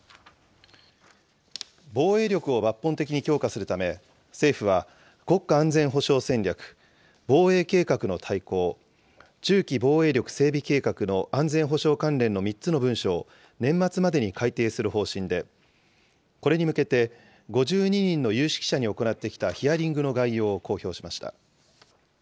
防衛力を抜本的に強化するため、政府は、国家安全保障戦略、防衛計画の大綱、中期防衛力整備計画の安全保障関連の３つの文書を年末までに改定する方針で、これに向けて５２人の有識者に行ってきたヒアリングの概要を公表しました。